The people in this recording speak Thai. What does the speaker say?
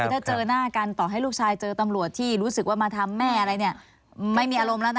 ถ้าเจอหน้ากันต่อให้ลูกชายเจอตำรวจที่รู้สึกว่ามาทำแม่อะไรเนี่ย